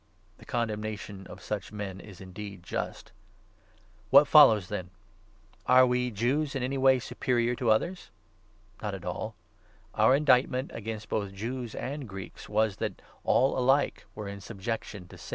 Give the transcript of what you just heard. The condemnation of such men is indeed just ! What follows, then ? Are we Jews in any way superior to 9 others ? Not at all. Our indictment against both Jews and Greeks was that all alike were in subjection to sin. '*•* Isa. 53. 5. * Ps. 116. ii ; 51. 4.